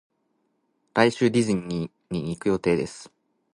来週ディズニーに行く予定です